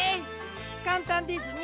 かんたんですね。